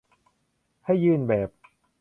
ให้ยื่นแบบ